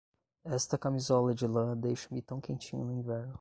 Esta camisola de lã deixa-me tão quentinho no inverno.